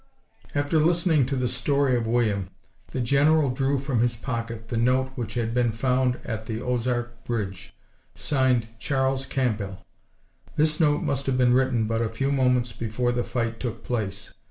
] After listening to the story of William, the General drew from his pocket the note which had been found at the Ozark bridge, signed "Charles Campbell." This note must have been written but a few moments before the fight took place.